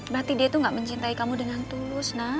berarti dia tuh gak mencintai kamu dengan tulus nak